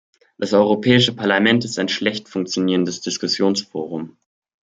Das Europäische Parlament ist ein schlecht funktionierendes Diskussionsforum.